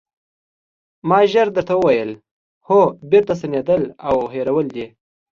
ما ژر درته وویل: هو بېرته ستنېدل او هېرول دي.